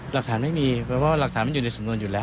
หลักฐานไม่มีเพราะว่าหลักฐานมันอยู่ในสำนวนอยู่แล้ว